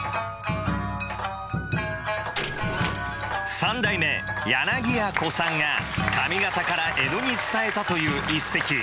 三代目柳家小さんが上方から江戸に伝えたという一席。